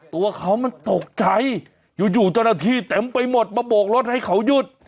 ตัวเขามันตกใจอยู่เจ้าหน้าที่เต็มไปหมดมาโบกรถให้เขาหยุด